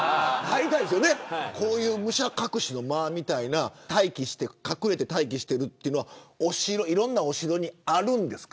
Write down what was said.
武者隠しの間みたいな隠れて待機しているというのはいろんなお城にあるんですか。